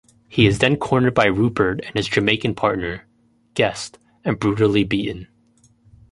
He is then cornered by Rupert and his Jamaican partner, Guest, and brutally beaten.